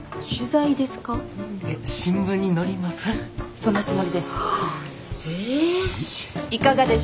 そのつもりです。